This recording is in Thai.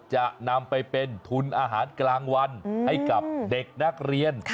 จะนำไปเป็นทุนอาหารกลางวันให้กับเด็กนักเรียน